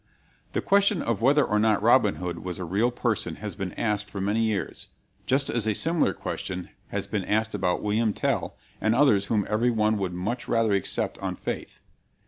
The question of whether or not Robin Hood was a real person has been asked for many years, just as a similar question has been asked about William Tell and others whom everyone would much rather accept on faith.